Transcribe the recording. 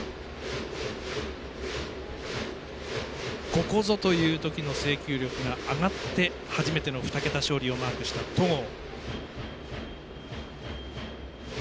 ここぞという時の制球力が上がって初めての２桁勝利をマークした戸郷。